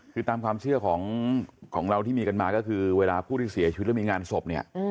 คือตามความเชื่อของเราที่มีกันมาก็คือเวลาผู้ที่เสียชีวิตแล้วมีงานศพเนี่ย